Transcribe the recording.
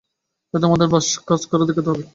তাই আমাদেরকে ব্যাস কাজ করে দেখাতে হবে।